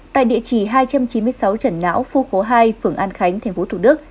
tại địa chỉ hai trăm chín mươi sáu trần não phu khố hai phường an khánh tp thủ đức